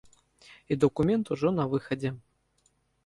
І дакумент ужо на выхадзе.